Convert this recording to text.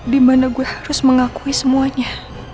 dimana gue harus mengakui semuanya